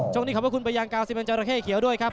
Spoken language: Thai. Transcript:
ช่วงนี้ขอบคุณไปยังกล่าว๑๐๐๐๐เจ้าระเข้เขียวด้วยครับ